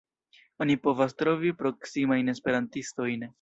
Oni povas trovi proksimajn esperantistojn.